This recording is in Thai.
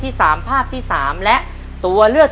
ปีหน้าหนูต้อง๖ขวบให้ได้นะลูก